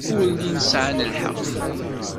Ur llin sɛan lḥeqq.